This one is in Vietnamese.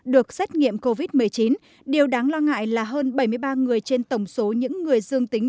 được xét nghiệm covid một mươi chín điều đáng lo ngại là hơn bảy mươi ba người trên tổng số những người dương tính